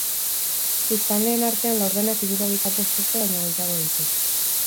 Biztanleen artean laurdenak hirurogeita bost urte baino gehiago ditu.